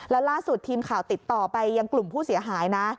แล้วล่าสุดทีมข่าวติดต่อไปยังกลุ่มผู้เสียหายนะ